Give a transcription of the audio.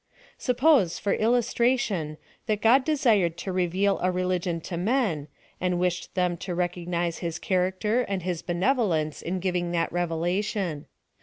Suppose, for illustration, that God desired to reveal a religion to men, and wished them to re coofuize his character and his benevolence in oivinor tliat revelation.